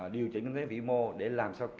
điều chỉnh những vĩ mô để làm sao